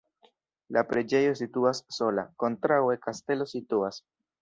La preĝejo situas sola, kontraŭe kastelo situas.